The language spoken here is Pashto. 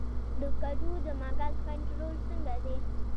د کدو د مګس کنټرول څنګه دی؟